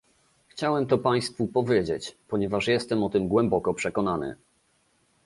Chciałem to państwu powiedzieć, ponieważ jestem o tym głęboko przekonany